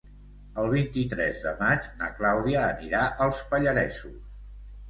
El vint-i-tres de maig na Clàudia anirà als Pallaresos.